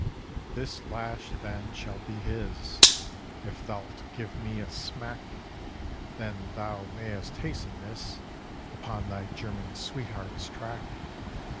"This lash, then, shall be his, If thou'lt give me a smack; Then thou mayest hasten, miss, Upon thy German sweetheart's track."